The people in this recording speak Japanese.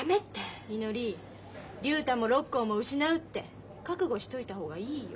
みのり竜太もロッコーも失うって覚悟しといた方がいいよ。